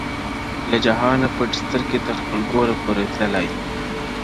له جهانه پټي سترګي تر خپل ګوره پوري تللای -